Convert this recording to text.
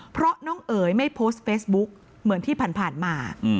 เพราะน้องเอ๋ยไม่โพสต์เฟซบุ๊กเหมือนที่ผ่านมา